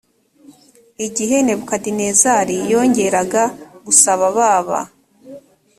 igihe nebukadinezari yongeraga gusaba ba ba